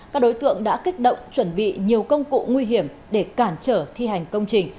các đối tượng đã kích động chuẩn bị nhiều công cụ nguy hiểm để cản trở thi hành công trình